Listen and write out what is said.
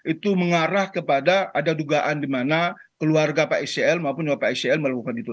itu mengarah kepada ada dugaan dimana keluarga pak ijl maupun nyawa pak ijl melakukan itu